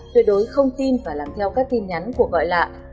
tuyệt đối không tin và làm theo các tin nhắn của gọi lạ